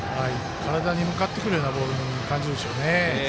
体に向かってくるボールに感じるんでしょうね。